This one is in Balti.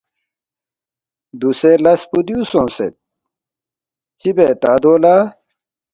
دوسے لس پو دیُو سونگسید، چِہ بے تا دو لہ؟“